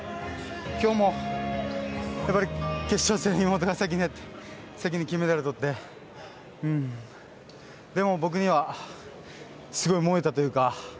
今日も決勝戦を妹が先にやって先に金メダルとってでも、僕としてはすごく燃えたというか。